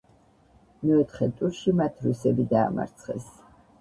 მეოთხე ტურში მათ რუსები დაამარცხეს.